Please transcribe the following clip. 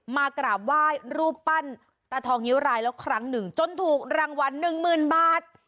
มากราบไหว้รูปปั้นตาทองนิ้วรายแล้วครั้งหนึ่งจนถูกรางวัลหนึ่งหมื่นบาท